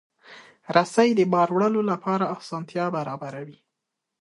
رسۍ د بار وړلو لپاره اسانتیا برابروي.